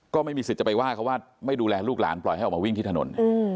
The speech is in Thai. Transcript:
ก็ไม่มีสิทธิ์จะไปว่าเขาว่าไม่ดูแลลูกหลานปล่อยให้ออกมาวิ่งที่ถนน